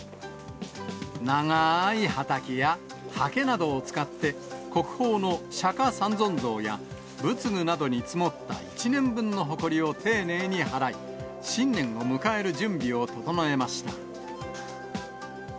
長ーいはたきやはけなどを使って、国宝の釈迦三尊像や仏具などに積もった１年分のほこりを丁寧に払い、新年を迎える準備を整えました。